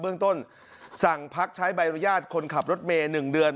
เรื่องต้นสั่งพักใช้ใบอนุญาตคนขับรถเมย์๑เดือน